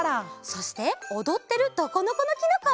そしておどってる「ドコノコノキノコ」！